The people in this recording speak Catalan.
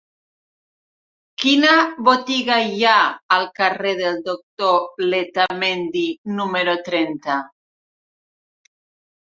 Quina botiga hi ha al carrer del Doctor Letamendi número trenta?